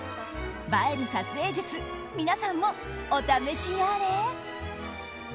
映える撮影術皆さんもお試しあれ！